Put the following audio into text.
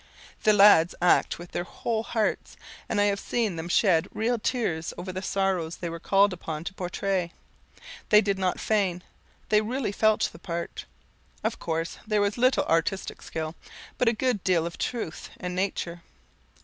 The lads act with their whole hearts, and I have seen them shed real tears over the sorrows they were called upon to pourtray. They did not feign they really felt the part. Of course, there was little artistic skill, but a good deal of truth and nature.